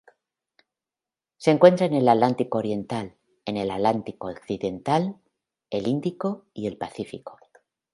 Se encuentra en el Atlántico oriental, el Atlántico occidental, el Índico y el Pacífico.